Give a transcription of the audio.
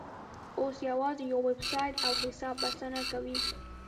اوس یوازې یو ویبسایټ او حساب بسنه کوي.